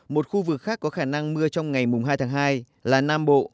một khu vực khác có khả năng mưa trong ngày hai tháng hai là nam bộ